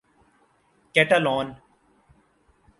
Catalan